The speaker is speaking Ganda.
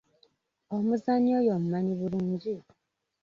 Omuzannyi oyo omumanyi bulungi?